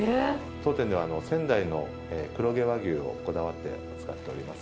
当店では、仙台の黒毛和牛をこだわって使っております。